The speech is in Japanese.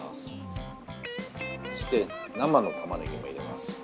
そして生のたまねぎも入れます。